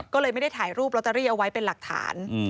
ก็เลยไม่ได้ถ่ายรูปลอตเตอรี่เอาไว้เป็นหลักฐาน